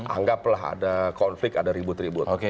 anggaplah ada konflik ada ribut ribut